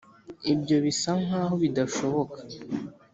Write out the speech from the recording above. ibyo bisa nkaho bidashoboka